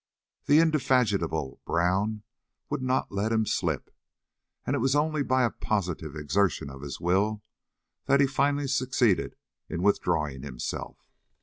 The indefatigable Brown would not let him slip, and it was only by a positive exertion of his will that he finally succeeded in withdrawing himself.